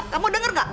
kamu denger gak